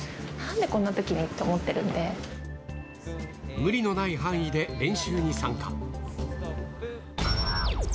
なんで、こんなときにって思って無理のない範囲で練習に参加。